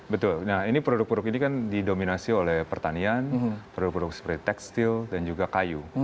betul nah ini produk produk ini kan didominasi oleh pertanian produk produk seperti tekstil dan juga kayu